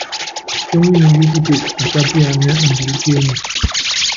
Púnyi muyú kuteke akí apiananɛ́ andilɛ́ kéeŋísi.